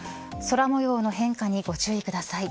空模様の変化にご注意ください。